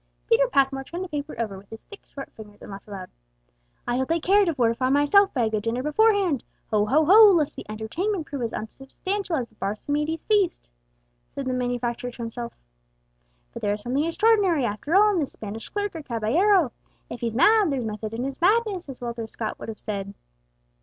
Peter Passmore turned the paper over with his thick, short fingers, and laughed aloud. "I shall take care to fortify myself by a good dinner beforehand ho! ho! ho! lest the entertainment prove as unsubstantial as the Barmecide's feast!" said the manufacturer to himself. "But there is something extraordinary after all in this Spanish clerk or caballero. If he's mad, 'there's method in his madness,' as Walter Scott would have said.